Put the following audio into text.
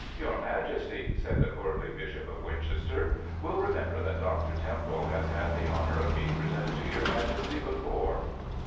" Your Majesty," said the courtly Bishop of Winchester, " will remember that Dr. Temple has had the honour of being pre sented to your Majesty before."